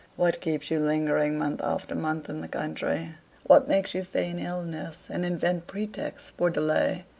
What keeps you lingering month after month in the country? What makes you feign illness, and invent pretexts for delay?